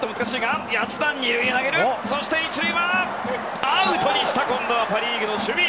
１塁はアウトにした近藤パ・リーグの守備！